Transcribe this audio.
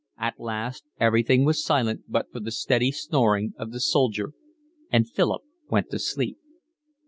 At last everything was silent but for the steady snoring of the soldier, and Philip went to sleep.